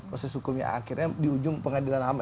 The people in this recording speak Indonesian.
proses hukumnya akhirnya di ujung pengadilan ham